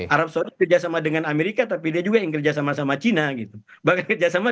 arab saudi kerjasama dengan amerika tapi dia juga yang kerja sama sama cina gitu bahkan kerjasama